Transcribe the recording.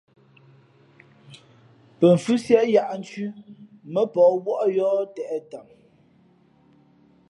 Pαfhʉ́siē yǎʼnthʉ̄ mά pαh wᾱʼ yǒh těʼ tam.